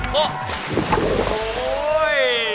เฮ้ย